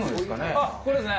あっこれですね！